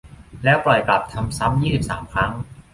แล้วปล่อยกลับ ทำซ้ำ ยี่สิบสาม ครั้ง